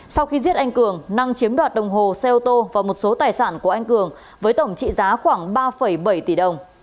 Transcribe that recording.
sau khi giết anh cường năng chiếm đoạt đồng hồ xe ô tô và một số tài sản của anh cường với tổng trị giá khoảng ba bảy tỷ đồng